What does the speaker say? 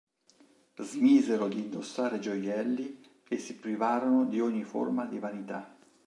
Smisero di indossare gioielli e si privarono di ogni forma di vanità.